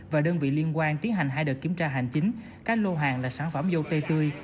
và đơn vị liên quan tiến hành hai đợt kiểm tra hành chính các lô hàng là sản phẩm dâu tê tươi